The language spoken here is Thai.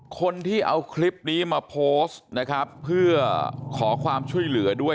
คนที่เอาคลิปนี้มาโพสต์นะครับเพื่อขอความช่วยเหลือด้วย